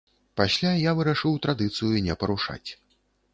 Пасля я вырашыў традыцыю не парушаць.